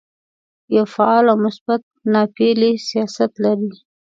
یو فعال او مثبت ناپېیلی سیاست لري.